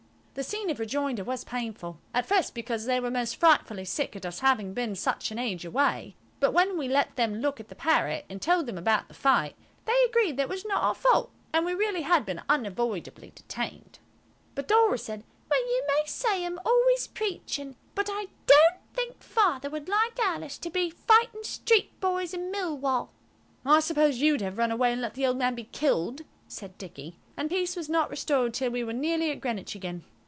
The scene of rejoinder was painful, at first because they were most frightfully sick at us having been such an age away; but when we let them look at the parrot, and told them about the fight, they agreed that it was not our fault, and we really had been unavoidably detained. But Dora said, "Well, you may say I'm always preaching, but I don't think Father would like Alice to be fighting street boys in Millwall." "I suppose you'd have run away and let the old man be killed," said Dicky, and peace was not restored till we were nearly at Greenwich again.